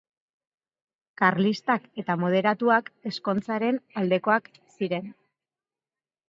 Karlistek eta moderatuak ezkontzaren aldekoak ziren.